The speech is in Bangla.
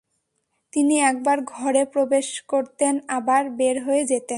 তিনি একবার ঘরে প্রবেশ করতেন আবার বের হয়ে যেতেন।